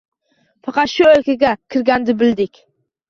Faqat shu o‘lkaga kirganda bilding